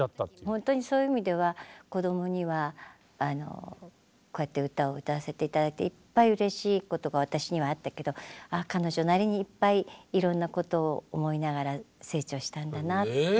ほんとにそういう意味では子どもにはこうやって歌を歌わせて頂いていっぱいうれしいことが私にはあったけど彼女なりにいっぱいいろんなことを思いながら成長したんだなって。